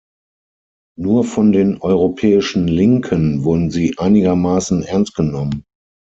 Nur von den europäischen Linken wurden sie einigermaßen ernst genommen.